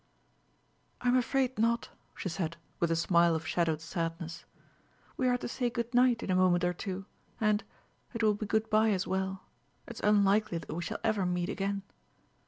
"I'm afraid not," she said, with a smile of shadowed sadness. "We are to say good night in a moment or two, and it will be good by as well. It's unlikely that we shall ever meet again."